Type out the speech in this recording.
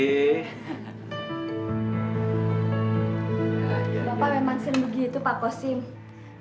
bapak memang sendiri itu pak kusin